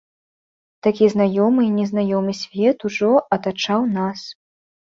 Такі знаёмы і незнаёмы свет ужо атачаў нас.